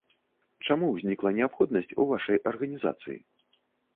Чаму ўзнікла неабходнасць у вашай арганізацыі?